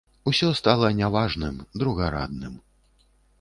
Усё стала няважным, другарадным.